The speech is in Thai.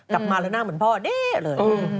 กลับมาแล้วหน้าเหมือนพ่อเด้เลย